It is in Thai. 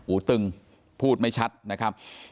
ตึงพูดไม่ชัดนะครับ